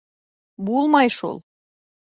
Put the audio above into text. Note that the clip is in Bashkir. Булмай шул.